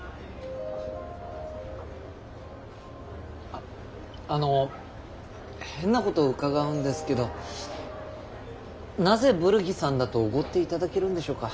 あっあの変なこと伺うんですけどなぜ「ブルギさん」だとおごっていただけるんでしょうか？